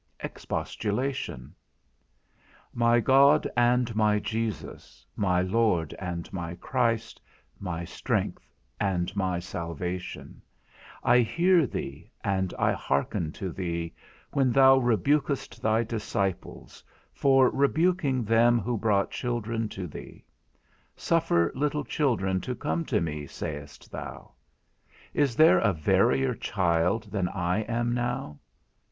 III. EXPOSTULATION. My God and my Jesus, my Lord and my Christ, my strength and my salvation, I hear thee, and I hearken to thee, when thou rebukest thy disciples, for rebuking them who brought children to thee; Suffer little children to come to me, sayest thou. Is there a verier child than I am now?